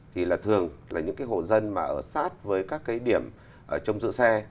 thì là thường là những hộ dân mà ở sát với các điểm trong giữ xe